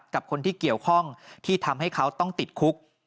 กับคนที่เกี่ยวข้องที่ทำให้เขาต้องติดคุก